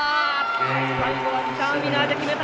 最後はリターンウィナーで決めた。